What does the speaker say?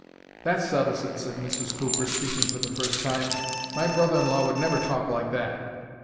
"That settles it," said Mrs. Cooper, speaking for the first time. "My brother in law would never talk like that."